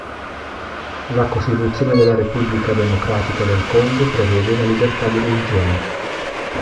La costituzione della Repubblica Democratica del Congo prevede la libertà di religione.